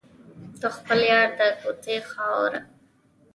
د خپل یار د کوڅې خاورې.